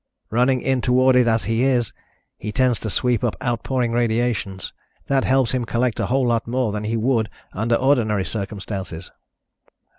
Running in toward it as he is, he tends to sweep up outpouring radiations. That helps him collect a whole lot more than he would under ordinary circumstances."